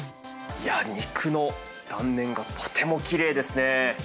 肉の断面がとてもきれいですね。